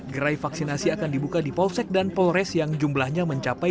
gerai vaksinasi akan dibuka di pousek dan polres yang jumlahnya mencapai dua ratus enam puluh